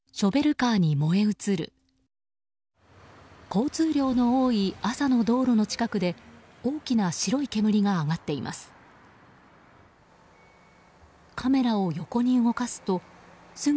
交通量の多い朝の道路の近くで大きな白い煙が上がっています。